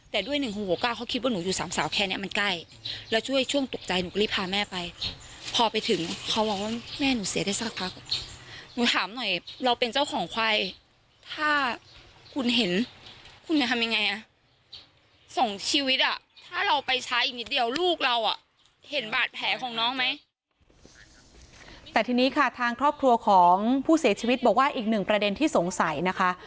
แต่ทีนี้ค่ะทางครอบครัวของผู้เสียชีวิตบอกว่าอีกหนึ่งประเด็นที่สงสัยนะคะ